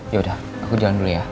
yaudah aku jalan dulu ya